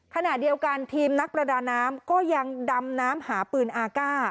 ขณะเดียวกันทีมนักประดาน้ำก็ยังดำน้ำหาปืนอากาศ